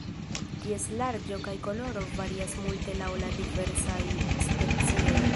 Ties larĝo kaj koloro varias multe laŭ la diversaj specioj.